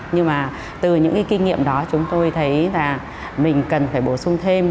nhưng mà từ những cái kinh nghiệm đó chúng tôi thấy là mình cần phải bổ sung thêm